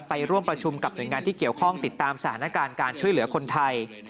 ไปร่วมประชุมกับหน่วยงานที่เกี่ยวข้องติดตามสถานการณ์การช่วยเหลือคนไทย